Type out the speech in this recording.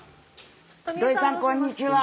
土井さんこんにちは。